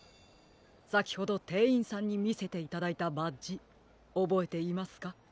さきほどてんいんさんにみせていただいたバッジおぼえていますか？